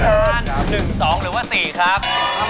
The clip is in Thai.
๑๒หรือว่า๔ครับ